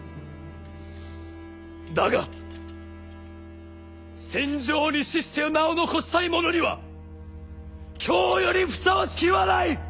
だが戦場に死して名を残したい者には今日よりふさわしき日はない！